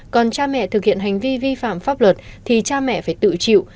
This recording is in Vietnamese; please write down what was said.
còn cha mẹ thực hiện hành vi vi phạm pháp luật thì cha mẹ phải tự chịu